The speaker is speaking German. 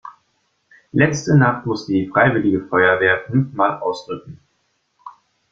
Letzte Nacht musste die freiwillige Feuerwehr fünfmal ausrücken.